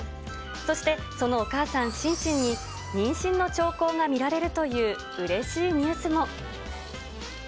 そして、そのお母さんシンシンに妊娠の兆候が見られるといううれしいニュースも。